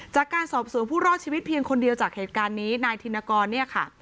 จากการสอบสวนผู้รอดชีวิตเพียงคนเดียวจากเหตุการณ์นี้นายธินกรเนี่ยค่ะ